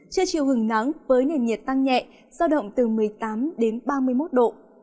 chưa chiều hừng nắng với nền nhiệt tăng nhẹ do động từ một mươi tám đến ba mươi một độ